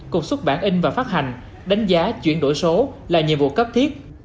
cuộc xuất bản in và phát hành đánh giá chuyển đổi số là nhiệm vụ cấp thiết